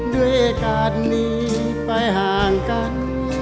ด้วยการหนีไปห่างกัน